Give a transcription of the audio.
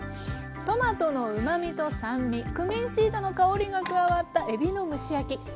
トマトのうまみと酸味クミンシードの香りが加わったえびの蒸し焼き。